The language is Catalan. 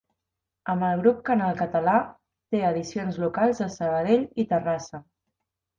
Amb el Grup Canal Català, té edicions locals a Sabadell i Terrassa.